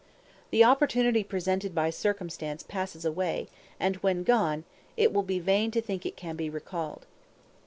The opportunity presented by circumstances passes away, and when gone, it will be vain to think it can be recalled.